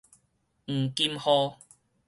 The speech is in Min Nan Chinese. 黃金雨